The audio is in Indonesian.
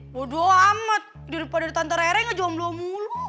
waduh amat daripada tante rere gak jomblo mulu